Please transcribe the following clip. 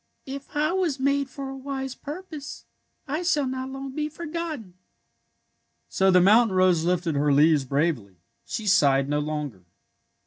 If I was made for a wise purpose I shall not long be forgot ten." So the mountain rose lifted her leaves bravely. She sighed no longer.